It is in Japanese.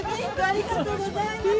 ありがとうございます。